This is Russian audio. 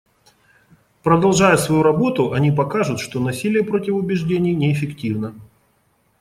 Продолжая свою работу, они покажут, что насилие против убеждений неэффективно.